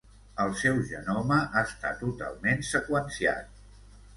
El seu genoma està totalment seqüenciat.